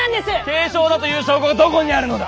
軽症だという証拠がどこにあるのだ！